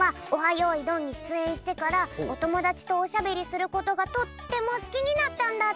よいどん」にしゅつえんしてからおともだちとおしゃべりすることがとってもすきになったんだって。